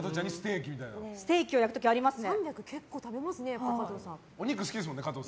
ステーキを焼く時ありますね。